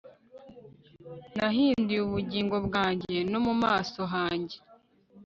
Nahinduye ubugingo bwanjye no mu maso hanjye